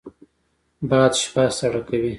باد شپه سړه کوي